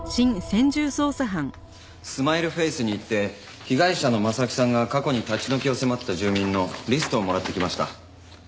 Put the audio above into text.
住まいるフェイスに行って被害者の征木さんが過去に立ち退きを迫った住人のリストをもらってきました。